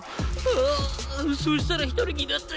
ああそしたら１人になって。